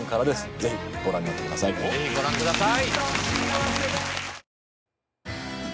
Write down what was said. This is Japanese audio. ぜひご覧ください。